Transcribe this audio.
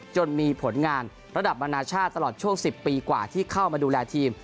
จนมีผลงานระดับนานาชาติตลอดช่วง๑๐ปีกว่าที่เข้ามาดูแลทีม